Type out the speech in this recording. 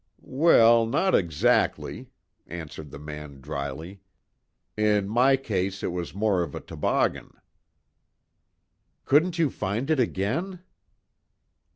"Well, not exactly," answered the man dryly. "In my case, it was more of a toboggan." "Couldn't you find it again?"